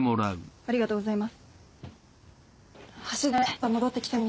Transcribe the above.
ありがとうございます。